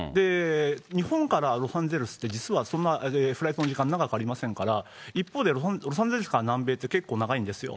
日本からロサンゼルスって実はそんな、フライトの時間、長くありませんから、一方で、ロサンゼルスから南米って結構長いんですよ。